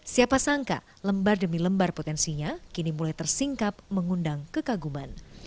siapa sangka lembar demi lembar potensinya kini mulai tersingkap mengundang kekaguman